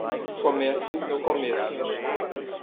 Comece no começo.